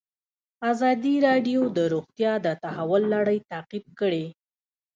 ازادي راډیو د روغتیا د تحول لړۍ تعقیب کړې.